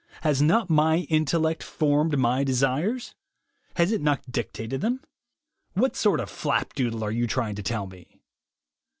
Has not my intellect formed my desires? Has not it dictated them? What sort of flapdoodle are you trying to tell me?